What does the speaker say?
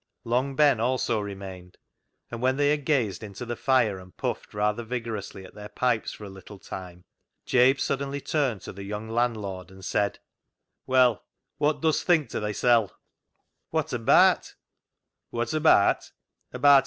Long Ben also remained, and when they had gazed into the fire and puffed rather vigorously at their pipes for a little time, Jabe suddenly turned to the young landlord and said —" Well, wot dust think to thysel' ?"" Wot abaat ?"" Wot abaat